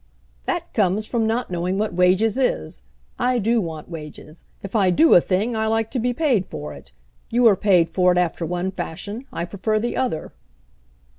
"That comes from not knowing what wages is. I do want wages. If I do a thing I like to be paid for it. You are paid for it after one fashion, I prefer the other."